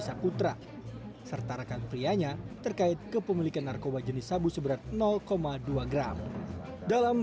saputra serta rekan prianya terkait kepemilikan narkoba jenis sabu seberat dua gram dalam